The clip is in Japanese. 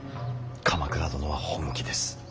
鎌倉殿は本気です。